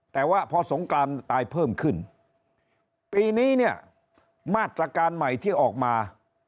แต่ว่าพอสงกรานตายเพิ่มขึ้นปีนี้เนี่ยมาตรการใหม่ที่ออกมา